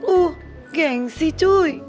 uh gengsi cuy